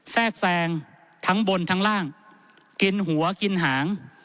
แทรกแทรงทั้งบนทั้งล่างกินหัวกินหาง